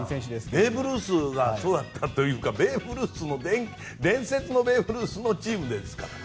ベーブ・ルースがそうだったというか伝説のベーブ・ルースのチームですからね。